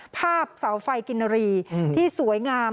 ภาพเสาไฟกินรีที่สวยงาม